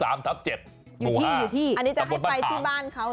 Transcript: อันนี้จะให้ไปที่บ้านเข่าเหรอ